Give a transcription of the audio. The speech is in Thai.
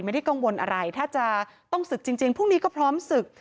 ไม่ได้กังวลอะไรถ้าจะต้องศึกจริงพรุ่งนี้ก็พร้อมศึก